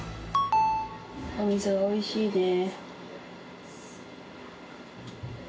お水おいしいね。